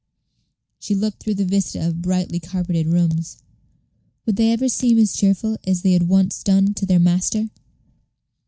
She looked through the vista of brightly carpeted rooms. Would they ever seem as cheerful as they had once done to their master?